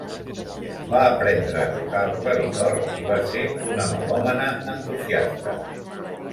Va aprendre a tocar el clavicordi i va ser una melòmana entusiasta.